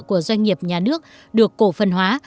của doanh nghiệp nhà nước được cổ phân hóa